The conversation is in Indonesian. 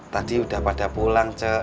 tadi udah pada pulang cek